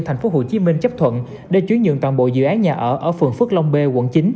tp hcm chấp thuận để chuyển nhượng toàn bộ dự án nhà ở phường phước long b quận chín